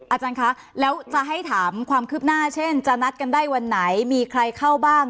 อาจารย์คะแล้วจะให้ถามความคืบหน้าเช่นจะนัดกันได้วันไหนมีใครเข้าบ้าง